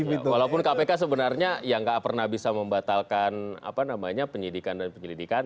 walaupun kpk sebenarnya yang nggak pernah bisa membatalkan apa namanya penyidikan dan penyelidikan